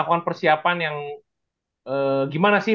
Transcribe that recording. kan karena orang itu tuh